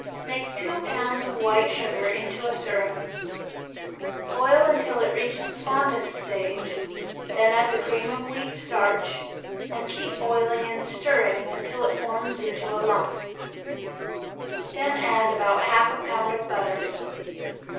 Make two pounds of white sugar into a syrup. Boil until it reaches the fondant stage, then add the cream of wheat starch, and keep boiling and stirring until it forms into a lump. Then add about half a pound of butter.